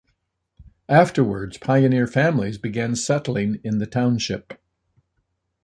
Afterwards, pioneer families began settling in the township.